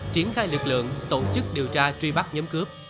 triển khai lực lượng tổ chức điều tra truy bắt nhóm cướp